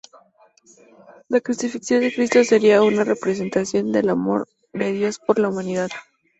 La Crucifixión de Cristo sería una representación del amor de Dios por la Humanidad.